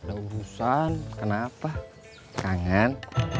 urusan kenapa kangen